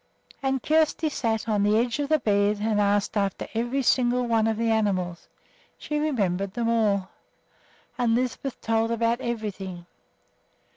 And Kjersti sat on the edge of the bed and asked after every single one of the animals, she remembered them all. And Lisbeth told about everything.